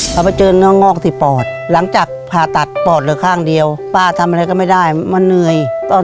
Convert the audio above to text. เขาไปเจอเนื้องอกที่ปอดหลังจากผ่าตัดปอดเหลือข้างเดียวป้าทำอะไรก็ไม่ได้มันเหนื่อยตอน